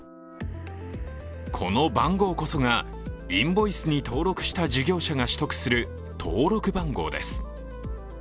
この番号こそがインボイスに登録した事業者が取得する登録番号です。